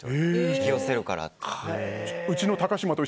引き寄せるからと。